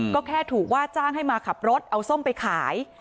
ก็แค่ถูกว่าจ้างให้มาขับรถเอาส้มไปขาย